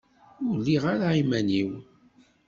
Ur lliɣ ara iman-iw.